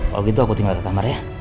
kalau gitu aku tinggal ke kamar ya